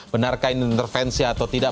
benarkah ini intervensi atau tidak